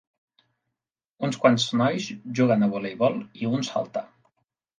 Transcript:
Uns quants nois juguen a voleibol i un salta.